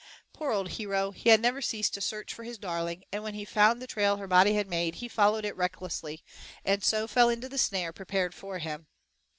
Poor old hero, he had never ceased to search for his darling, and when he found the trail her body had made he followed it recklessly, and so fell into the snare prepared for him.